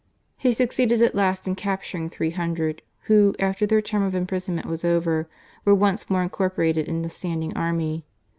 He succeeded at last in capturing three hundred, who, after their term of imprisonment was over, were once more incorporated in the standing army.